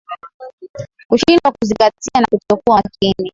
Kushindwa kuzingatia na kutokuwa makini